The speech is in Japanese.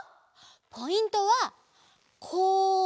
ポイントはここ！